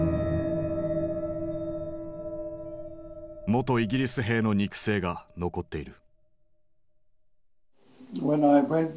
元イギリス兵の肉声が残っている。